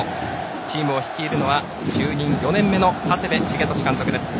チームを率いるのは就任４年目の長谷部茂利監督です。